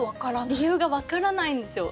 理由が分からないんですよ。